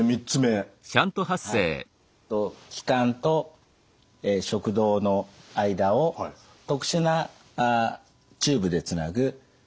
はい気管と食道の間を特殊なチューブでつなぐ方法です。